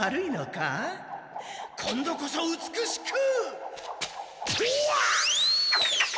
今度こそ美しく！とあっ！